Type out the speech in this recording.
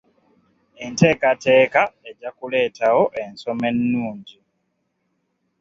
Enteekateeka ejja kuleetawo ensoma ennungi.